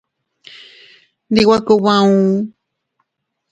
Ndi nwe kub auu.